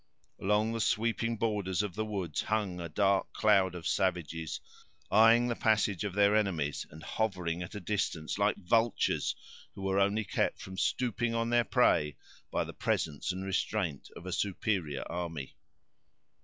Along the sweeping borders of the woods hung a dark cloud of savages, eyeing the passage of their enemies, and hovering at a distance, like vultures who were only kept from swooping on their prey by the presence and restraint of a superior army.